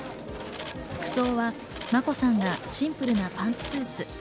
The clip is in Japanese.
服装は眞子さんがシンプルなパンツスーツ。